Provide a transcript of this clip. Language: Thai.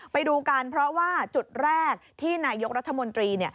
ไปดูกันเพราะว่าจุดแรกที่นายกรัฐมนตรี